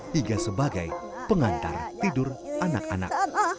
hingga sebagai pengantar tidur anak anak